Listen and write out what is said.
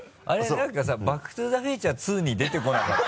何かさ「バック・トゥ・ザ・フューチャー２」に出てこなかった？